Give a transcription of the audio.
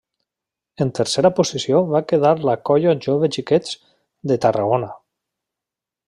En tercera posició va quedar la Colla Jove Xiquets de Tarragona.